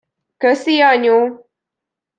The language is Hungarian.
Köszi, anyu.